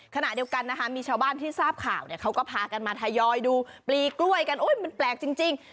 ขณะเดียวกันนะคะมีชาวบ้านที่ทราบข่าวเนี่ยเขาก็พากันมาทยอยดูปลีกล้วยกันโอ๊ยมันแปลกจริง